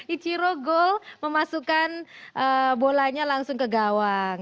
ichiro gol memasukkan bolanya langsung ke gawang